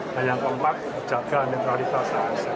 dan yang keempat jaga neutralitas